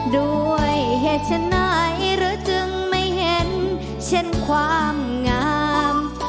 ด้วยเหตุฉะไหนหรือจึงไม่เห็นเช่นความงาม